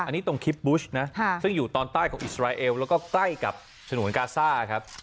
อันนี้ตรงคิปบุชนะซึ่งอยู่ตอนใต้ของอิสราเอลแล้วก็ใกล้กับฉนวนกาซ่าครับ